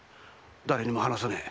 誰にも話さねえ。